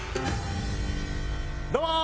どうも！